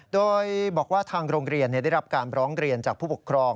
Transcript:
โดยบอกว่าทางโรงเรียนได้รับการร้องเรียนจากผู้ปกครอง